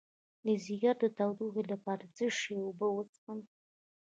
د ځیګر د تودوخې لپاره د څه شي اوبه وڅښم؟